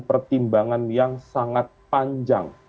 pertimbangan yang sangat panjang